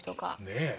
ねえ。